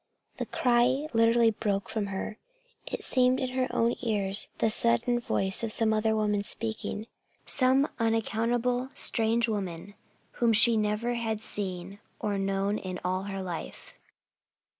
The cry literally broke from her. It seemed in her own ears the sudden voice of some other woman speaking some unaccountable, strange woman whom she never had seen or known in all her life.